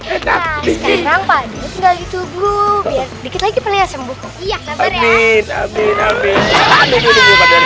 enak enak tinggal itu bu biar dikit lagi pelihara sembuh ya amin amin amin